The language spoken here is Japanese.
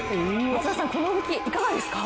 松田さん、この動きいかがですか？